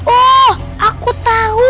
oh aku tau